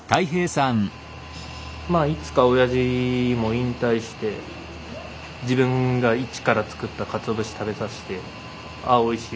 まあいつかおやじも引退して自分が一から作ったかつお節食べさして「ああおいしい。